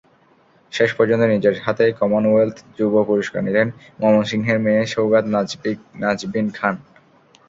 শেষ পর্যন্ত নিজের হাতেই কমনওয়েলথ যুব পুরস্কার নিলেন ময়মনসিংহের মেয়ে সওগাত নাজবিন খান।